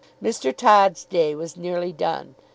Mr. Todd's day was nearly done.